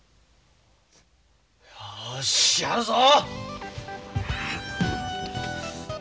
よしやるぞ！